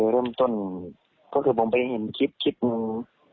เริ่มต้นก็คือผมไปเห็นคลิปนึง